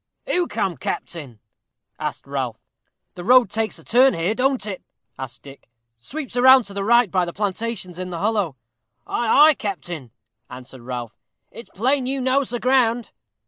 "Who come, captain?" asked Ralph. "The road takes a turn here, don't it?" asked Dick "sweeps round to the right by the plantations in the hollow?" "Ay, ay, captain," answered Ralph; "it's plain you knows the ground."